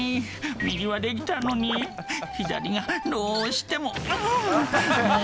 右はできたのに、左がどうしても、あー、もう。